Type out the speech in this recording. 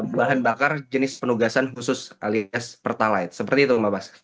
bahan bakar jenis penugasan khusus alias pertalite seperti itu mbak bas